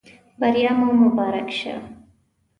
بریا مو مبارک شه.